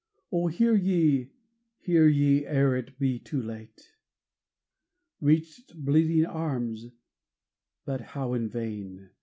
Oh, hear ye! hear ye! ere it be too late! Reached bleeding arms but how in vain!